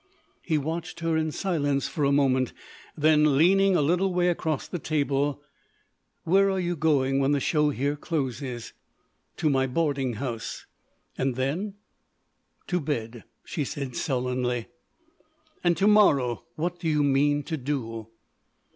He watched her in silence for a moment; then, leaning a little way across the table: "Where are you going when the show here closes?" "To my boarding house." "And then?" "To bed," she said, sullenly. "And to morrow what do you mean to do?"